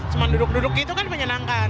cuma duduk duduk gitu kan menyenangkan